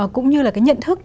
cũng như là cái nhận thức